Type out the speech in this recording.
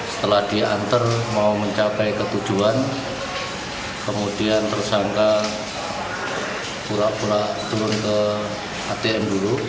setelah diantar mau mencapai ke tujuan kemudian tersangka pulang ke atm dulu